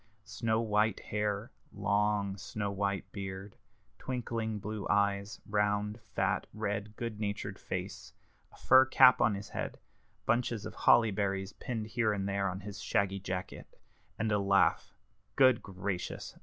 Snow white hair, long snow white beard, twinkling blue eyes, round, fat, red, good natured face, a fur cap on his head, bunches of holly berries pinned here and there on his shaggy jacket, and a laugh good gracious!